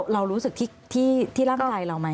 เรารู้สึกที่ร่างกายเราไหม